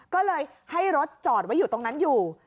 ก็เลยให้รถจอดไว้อยู่ตรงนั้นอยู่